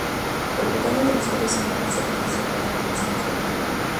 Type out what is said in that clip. Los botones de las flores son apreciados si se preparan con aceite de oliva.